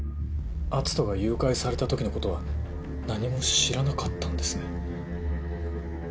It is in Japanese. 篤斗が誘拐された時のことは何も知らなかったんですね？